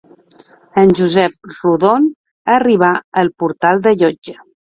En Josep Rodon arribà al portal de Llotja